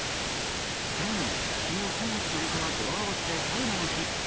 昨日３月７日は語呂合わせでサウナの日。